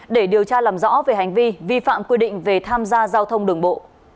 để điều tra làm rõ về hành vi vi phạm quy định về tham gia giao thông đường bộ